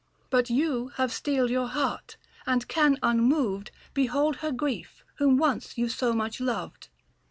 But you have steeled your heart, and can unmoved Behold her grief, whom once you so much loved.